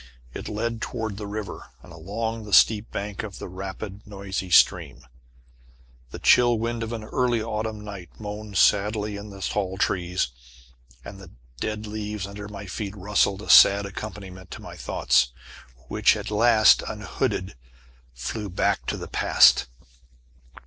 It led toward the river, and along the steep bank of the rapid noisy stream. The chill wind of an early autumn night moaned sadly in the tall trees, and the dead leaves under my feet rustled a sad accompaniment to my thoughts, which at last, unhooded, flew back to the past.